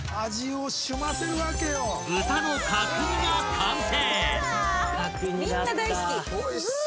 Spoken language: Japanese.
［豚の角煮が完成！］